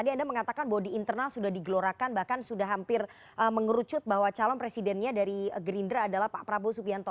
tadi anda mengatakan bahwa di internal sudah digelorakan bahkan sudah hampir mengerucut bahwa calon presidennya dari gerindra adalah pak prabowo subianto